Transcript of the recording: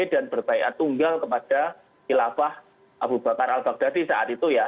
dan berbaikat tunggal kepada khilafah abu bakar al baghdadi saat itu ya